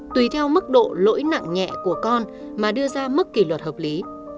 tùy theo mức độ lỗi nặng nhẹ của con mà đưa ra mức kỷ luật hợp lý